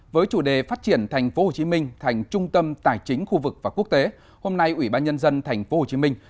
với chủ đề phát triển thành phố hồ chí minh thành trung tâm tài chính khu vực và quốc tế hôm nay ủy ban nhân dân thành phố hồ chí minh